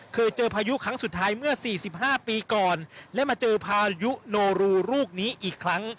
เคยเจอพายุครั้งสุดท้ายเมื่อ๔๕ปีก่อนและมาเจอพายุโนรูลูกนี้อีกครั้ง